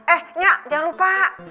eh nyak jangan lupa